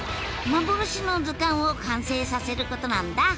幻の図鑑を完成させることなんだ！